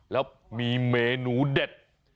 แล้วมีเมนูเด็ด